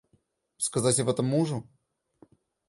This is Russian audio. Сказать об этом мужу?